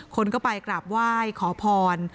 คนก็ไปกราบไหว้ขอพร